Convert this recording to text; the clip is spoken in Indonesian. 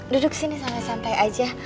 duduk sini sampai santai aja